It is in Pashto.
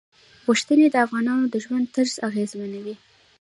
غوښې د افغانانو د ژوند طرز اغېزمنوي.